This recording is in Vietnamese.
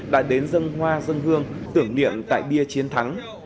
đã đến dân hoa dân hương tưởng niệm tại bia chiến thắng